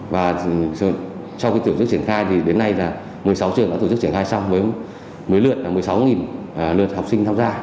và trong tổ chức triển khai thì đến nay là một mươi sáu trường đã tổ chức triển khai xong với mấy lượt một mươi sáu lượt học sinh tham gia